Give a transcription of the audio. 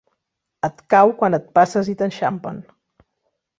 Et cau quan et passes i t'enxampen.